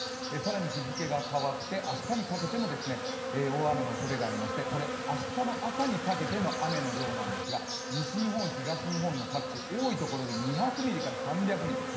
更に日付が変わって明日にかけても大雨のおそれがありまして、これ明日の朝にかけての雨の量なんですが西日本、東日本の各地、多いところで２００ミリから３００ミリ。